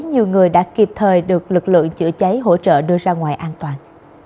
nhiều người đã kịp thời được lực lượng chữa cháy hỗ trợ đưa ra ngoài an toàn